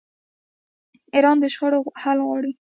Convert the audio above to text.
ایران د شخړو حل غواړي.